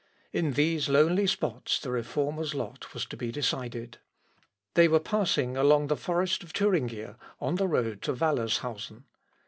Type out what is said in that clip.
In these lonely spots the Reformer's lot was to be decided. They were passing along the forest of Thuringia, on the road to Wallershausen.